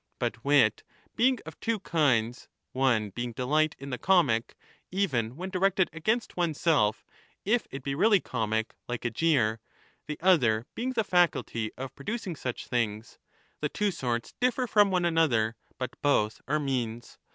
But wit being of two kinds — one being delight in the comic, even when 15 directed against one's self, if it be really comic, like a jeer, • the other being the faculty of producing such things — the two sorts differ from one another but both are means.